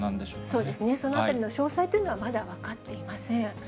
そうですね、そのあたりの詳細というのはまだ分かっていません。